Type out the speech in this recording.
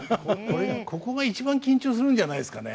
ここが一番緊張するんじゃないですかね。